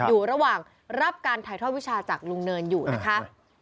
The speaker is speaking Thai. อยู่ระหว่างรับการถ่ายทอดวิชาจากลุงเนินอยู่นะคะ